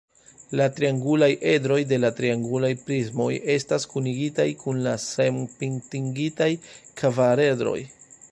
La triangulaj edroj de la triangulaj prismoj estas kunigitaj kun la senpintigitaj kvaredroj.